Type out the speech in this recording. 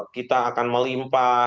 kita akan melimpah